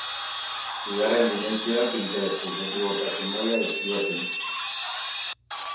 Bigarren dimentsioak inter subjektibotasun-maila deskribatzen du.